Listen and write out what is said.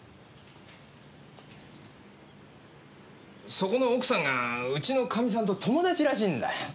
そこの奥さんがうちのかみさんと友達らしいんだ。